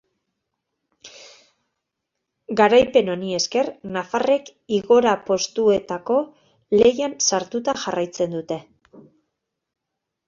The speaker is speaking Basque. Garaipen honi esker, nafarrek igora postuetako lehian sartuta jarraitzen dute.